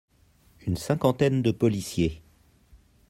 Une cinquantaine de policiers.